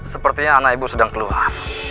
sepertinya anak ibu sedang keluar